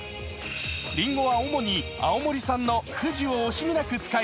りんごは主に青森産のふじを惜しみなく使い、